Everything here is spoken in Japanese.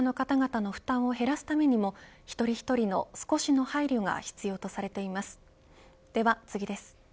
運送業者の方々の負担を減らすためにも一人一人の少しの配慮が必要とされています。